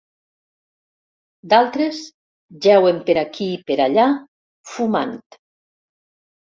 D'altres jeuen per aquí per allà, fumant.